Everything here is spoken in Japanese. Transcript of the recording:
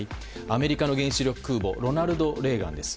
アメリカの原子力空母「ロナルド・レーガン」です。